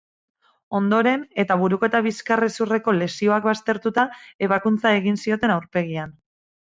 Ondoren, eta buruko eta bizkarrezurreko lesioak baztertuta, ebakuntza egin zioten aurpegian.